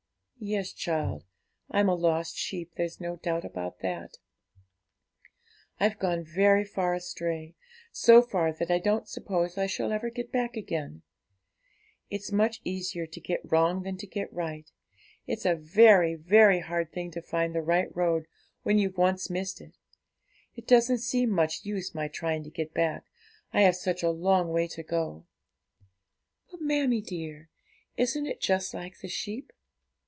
'Yes, child, I'm a lost sheep, there's no doubt about that; I've gone very far astray, so far that I don't suppose I shall ever get back again; it's much easier to get wrong than to get right; it's a very, very hard thing to find the right road when you've once missed it; it doesn't seem much use my trying to get back, I have such a long way to go.' 'But, mammie dear, isn't it just like the sheep?'